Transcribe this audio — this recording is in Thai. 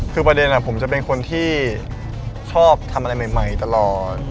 คือประเด็นผมจะเป็นคนที่ชอบทำอะไรใหม่ตลอด